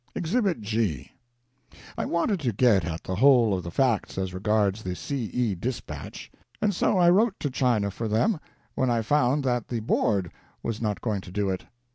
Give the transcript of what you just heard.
EXHIBIT G. I wanted to get at the whole of the facts as regards the C. E. dispatch, and so I wrote to China for them, when I found that the Board was not going to do it.